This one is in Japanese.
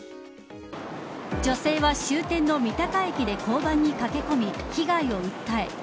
女性は終点の三鷹駅で交番に駆け込み被害を訴え